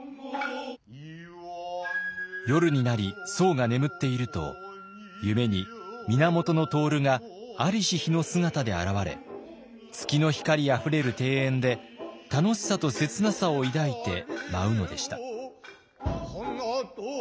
夜になり僧が眠っていると夢に源融が在りし日の姿で現れ月の光あふれる庭園で楽しさと切なさを抱いて舞うのでした。